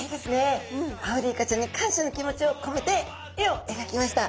アオリイカちゃんに感謝の気持ちをこめて絵をえがきました。